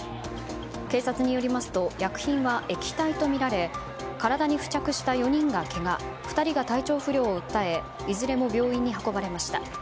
警察によりますと薬品は液体とみられ体に付着した４人がけが２人が体調不良を訴えいずれも病院に運ばれました。